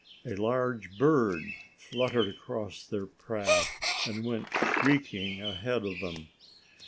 A large bird fluttered across their path and went shrieking ahead of them.